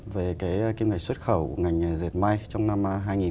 về cái nghiệp xuất khẩu ngành dệt may trong năm hai nghìn một mươi tám